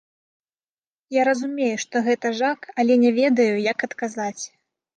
Я разумею, што гэта жах, але не ведаю, як адказаць.